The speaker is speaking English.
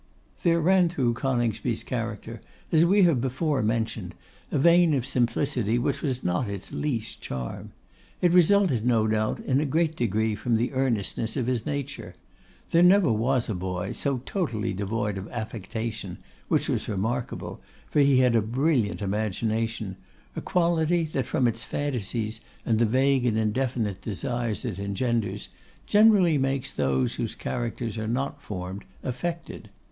There ran through Coningsby's character, as we have before mentioned, a vein of simplicity which was not its least charm. It resulted, no doubt, in a great degree from the earnestness of his nature. There never was a boy so totally devoid of affectation, which was remarkable, for he had a brilliant imagination, a quality that, from its fantasies, and the vague and indefinite desires it engenders, generally makes those whose characters are not formed, affected.